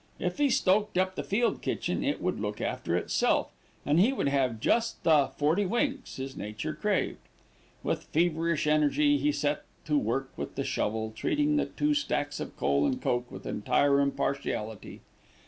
If he stoked up the field kitchen, it would look after itself, and he could have just the "forty winks" his nature craved. With feverish energy he set to work with the shovel, treating the two stacks of coal and coke with entire impartiality.